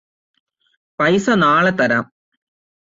പൈസ നാളെ തരാം